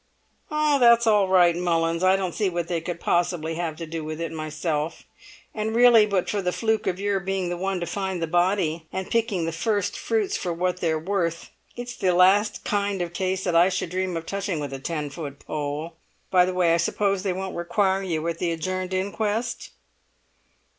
"That's all right, Mullins. I don't see what they could possibly have to do with it, myself; and really, but for the fluke of your being the one to find the body, and picking the first fruits for what they're worth, it's the last kind of case that I should dream of touching with a ten foot pole. By the way, I suppose they won't require you at the adjourned inquest?"